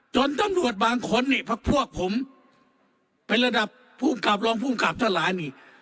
ตำรวจบางคนนี่พักพวกผมเป็นระดับภูมิกับรองภูมิกับทั้งหลายนี่